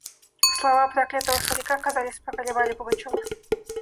Слова проклятого старика, казалось, поколебали Пугачева.